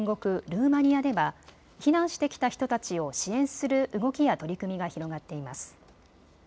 ルーマニアでは避難してきた人たちを支援する動きや取り組みが広がっています。